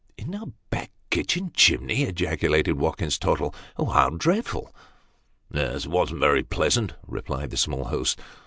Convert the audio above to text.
" In a back kitchen chimney !" ejaculated Watkins Tottle. " How dreadful !"" Yes, it wasn't very pleasant," replied the small host.